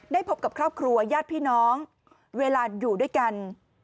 พบกับครอบครัวญาติพี่น้องเวลาอยู่ด้วยกัน